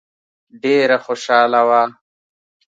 ډېره خوشاله وه.